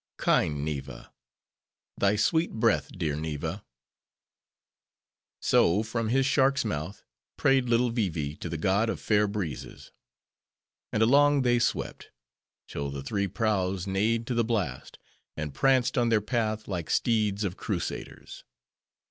kind Neeva! thy sweet breath, dear Neeva!" So from his shark's mouth prayed little Vee Vee to the god of Fair Breezes. And along they swept; till the three prows neighed to the blast; and pranced on their path, like steeds of Crusaders.